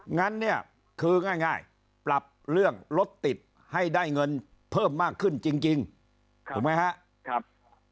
งั้นเนี่ยคือง่ายปรับเรื่องรถติดให้ได้เงินเพิ่มมากขึ้นจริงถูกไหมครับ